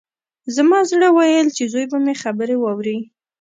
زما زړه ویل چې زوی به مې خبرې واوري